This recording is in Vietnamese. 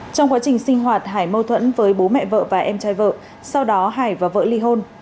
trong quá trình sinh hoạt hải mâu thuẫn với bố mẹ vợ và em trai vợ sau đó hải và vỡ ly hôn